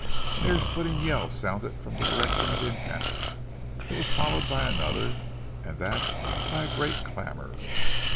An ear splitting yell sounded from the direction of the encampment. It was followed by another, and that by a great clamour.